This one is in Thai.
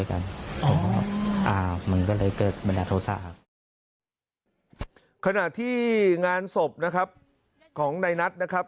ขนาดที่งานศพของนายนับนะครับ